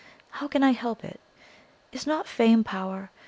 How can I help it? Is not fame power?